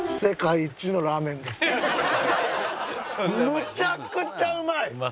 むちゃくちゃうまい！